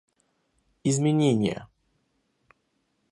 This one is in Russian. Изменения